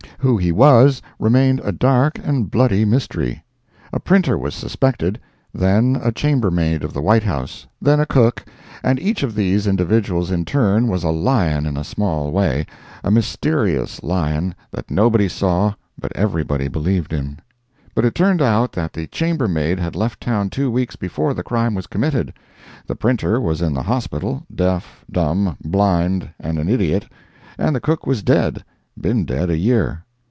Who he was, remained a dark and bloody mystery. A printer was suspected; then a chambermaid of the White House; then a cook—and each of these individuals in turn was a lion in a small way—a mysterious lion that nobody saw but everybody believed in. But it turned out that the chambermaid had left town two weeks before the crime was committed, the printer was in the hospital, deaf, dumb, blind and an idiot, and the cook was dead—been dead a year.